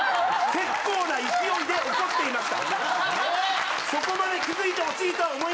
「結構な勢いで怒っていました」。